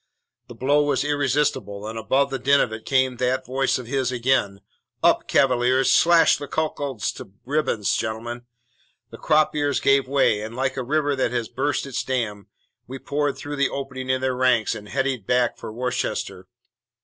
The blow was irresistible, and above the din of it came that voice of his again: 'Up, Cavaliers! Slash the cuckolds to ribbons, gentlemen!' The cropears gave way, and like a river that has burst its dam, we poured through the opening in their ranks and headed back for Worcester."